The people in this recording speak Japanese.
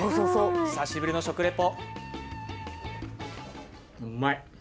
久しぶりの食リポ。